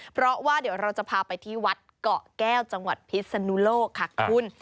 เพราะว่าเดี๋ยวเราจะพาไปที่วัดเกาะแก้วจังหวัดพิษนุโลกค่ะคุณ